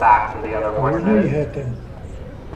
هُنَيْهةٌ.